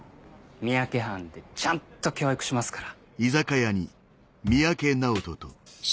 三宅班でちゃんと教育しますから。